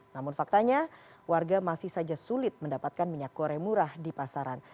namun faktanya warga masih saja sulit mendapatkan minyak goreng murah di pasaran